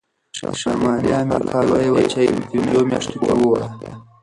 د شمالي امریکا لویه وچه یې په پنځو میاشتو کې ووهله.